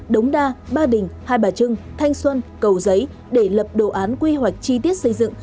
đống đa ba đình hai bà trưng thanh xuân cầu giấy để lập đồ án quy hoạch chi tiết xây dựng